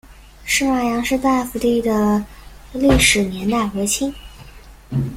石码杨氏大夫第的历史年代为清。